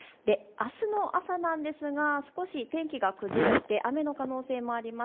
あすの朝なんですが、少し天気が崩れて雨の可能性もあります。